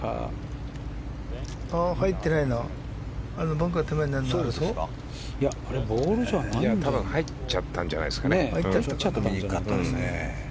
バンカーに入っちゃったんじゃないですかね。